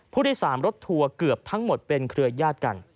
ผู้โดยสารรถทัวร์เกือบทั้งหมดเป็นเครือญาติกัน